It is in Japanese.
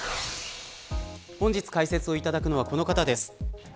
本日、解説をいただくのはこの方です。